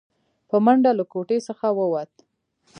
په منډه له کوټې څخه ووته.